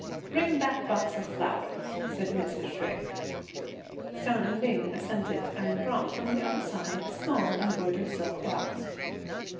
"Bring that box of flowers," said Mrs. Hsueh. Hsiang Ling assented, and brought from the other side a small embroidered silk box.